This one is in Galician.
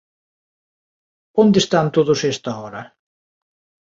¿Onde están todos a esta hora?